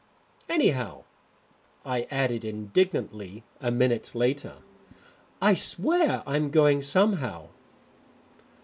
"Anyhow," I added indignantly a minute later, "I swear I'm going somehow."